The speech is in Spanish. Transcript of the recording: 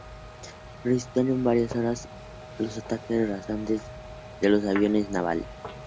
Resistieron varias horas los ataques rasantes de los aviones navales.